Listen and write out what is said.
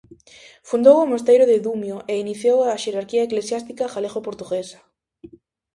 Fundou o mosteiro de Dumio e iniciou a xerarquía eclesiástica galego-portuguesa.